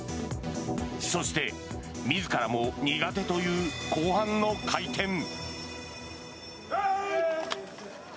そして、自らも苦手という後半の回転。